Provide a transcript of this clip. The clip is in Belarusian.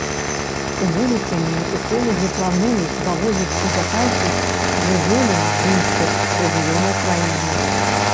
У будучыні эколагі плануюць завозіць у заказнік жывёлін з іншых рэгіёнаў краіны.